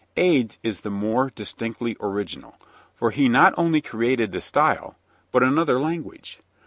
Ade's is the more distinctly original, for he not only created the style, but another language.